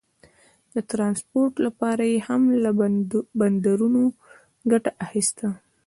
د ټرانسپورټ لپاره یې هم له بندرونو ګټه اخیسته.